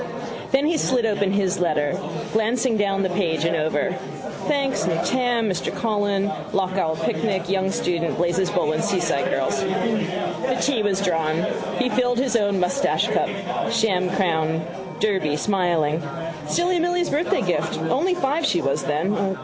Then he slit open his letter, glancing down the page and over. Thanks: new tam: Mr Coghlan: lough Owel picnic: young student: Blazes Boylan's seaside girls. The tea was drawn. He filled his own moustachecup, sham crown Derby, smiling. Silly Milly's birthday gift. Only five she was then.